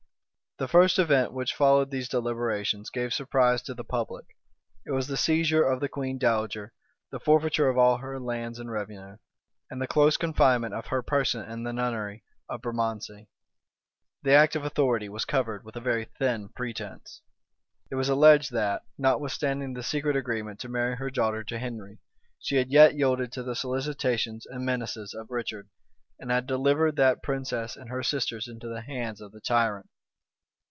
The first event which followed these deliberations gave surprise to the public; it was the seizure of the queen dowager the forfeiture of all her lands and revenue, and the close confinement of her person in the nunnery of Bermondsey. The act of authority was covered with a very thin pretence. It was alleged that, notwithstanding the secret agreement to marry her daughter to Henry, she had yet yielded to the solicitations and menaces of Richard, and had delivered that princess and her sisters into the hands of the tyrant.